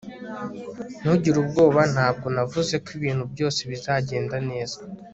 Ntugire ubwoba Ntabwo navuze ko ibintu byose bizagenda neza